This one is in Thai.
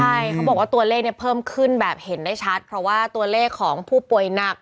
ใช่เขาบอกว่าตัวเลขเนี่ยเพิ่มขึ้นแบบเห็นได้ชัดเพราะว่าตัวเลขของผู้ป่วยหนัก